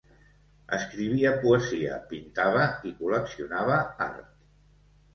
Escrivia poesia, pintava i col·leccionava art.